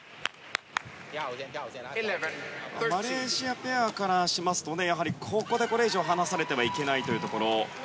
マレーシアペアからしますとここでこれ以上、離されてはいけないというところ。